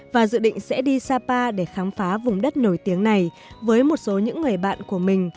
và dự định sẽ đi sapa để khám phá vùng đất nổi tiếng này với một số những người bạn của mình